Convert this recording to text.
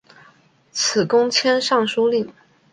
以功迁尚书令。